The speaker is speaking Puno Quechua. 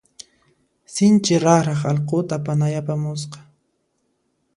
Sinchi raqraq allquta panay apamusqa.